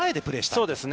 そうですね。